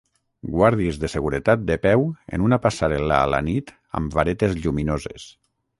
Guàrdies de seguretat de peu en una passarel·la a la nit amb varetes lluminoses.